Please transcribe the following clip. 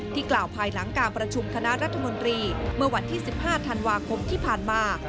กล่าวภายหลังการประชุมคณะรัฐมนตรีเมื่อวันที่๑๕ธันวาคมที่ผ่านมา